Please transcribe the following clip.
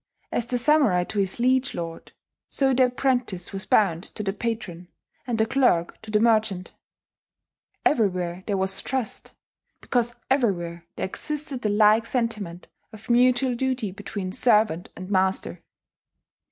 As the samurai to his liege lord, so the apprentice was bound to the patron, and the clerk to the merchant. Everywhere there was trust, because everywhere there existed the like sentiment of mutual duty between servant and master.